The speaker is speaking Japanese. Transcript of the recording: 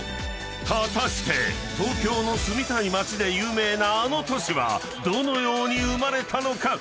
［果たして東京の住みたい街で有名なあの都市はどのように生まれたのか？］